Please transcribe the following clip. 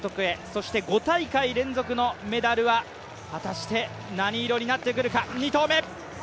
そして５大会連続のメダルは果たして何色になってくるか、２投目。